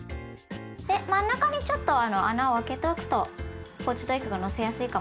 で真ん中にちょっと穴を開けておくとポーチドエッグをのせやすいかもしれないですね。